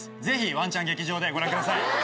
ぜひワンチャン劇場でご覧ください。